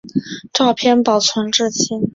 照片保存至今。